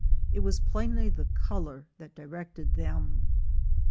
It was plainly the color that directed them.